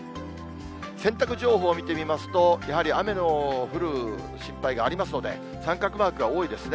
洗濯情報を見てみますと、やはり雨の降る心配がありますので、三角マークが多いですね。